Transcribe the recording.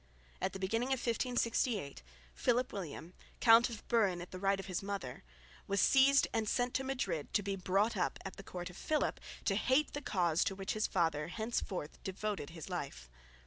At the beginning of 1568 Philip William, Count of Buren in right of his mother, was seized and sent to Madrid to be brought up at the court of Philip to hate the cause to which his father henceforth devoted his life.